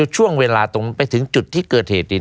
ช่วงเวลาตรงไปถึงจุดที่เกิดเหตุ